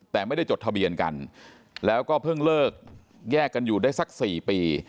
แต่ไม่ได้จดทะเบียนกันแล้วก็เพิ่งเลิกแยกกันอยู่ได้สัก๔ปี